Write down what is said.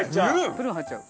プルーン入っちゃう。